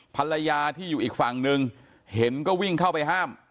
ภรรยาที่อยู่อีกฝั่งนึงเห็นก็วิ่งเข้าไปห้าม